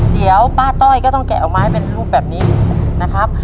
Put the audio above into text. เดี๋ยวป้าต้อยก็ต้องแกะออกมาเป็นรูปแบบนี้นะครับ